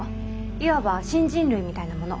いわば新人類みたいなもの。